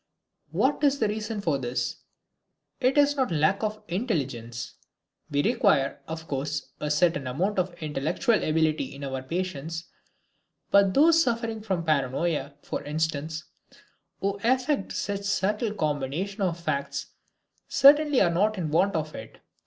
What is the reason for this? It is not lack of intelligence; we require, of course, a certain amount of intellectual ability in our patients; but those suffering from paranoia, for instance, who effect such subtle combinations of facts, certainly are not in want of it.